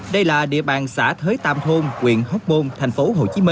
đây là địa bàn xã thới tam thôn quyện hóc môn tp hcm